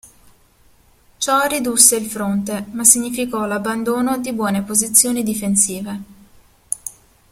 Ciò ridusse il fronte ma significò l'abbandono di buone posizioni difensive.